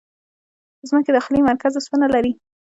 د ځمکې داخلي مرکز اوسپنه لري.